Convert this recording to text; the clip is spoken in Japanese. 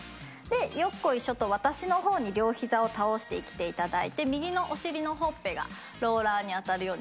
よっこいしょと私の方に両ひざを倒してきていただいて右のお尻のほっぺがローラーに当たるようにしていきましょう。